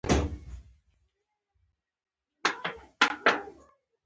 ورځ، نجلۍ باندې لیکمه